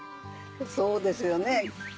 そうですよね。